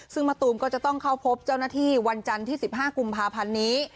ซึ่งมะตูมก็จะต้องเข้าพบเจ้าหน้าที่วันจันทร์ที่๑๕กุมภาพันธ์นี้